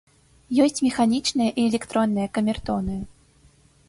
Ёсць механічныя і электронныя камертоны.